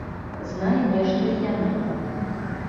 Знае нешта й яна.